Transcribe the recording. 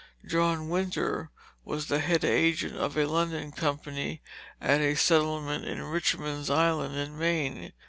John Wynter was the head agent of a London company at a settlement at Richmond's Island, in Maine.